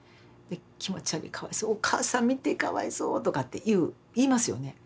「気持ち悪い」「かわいそう」「お母さん見てかわいそう」とかって言う言いますよね。